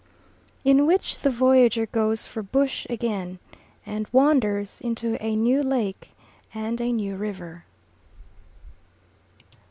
In which the voyager goes for bush again and wanders into a new lake and a new river.